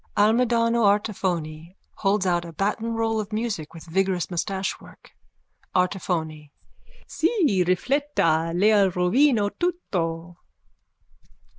(Almidano Artifoni holds out a batonroll of music with vigorous moustachework.) ARTIFONI: _Ci rifletta. Lei rovina tutto.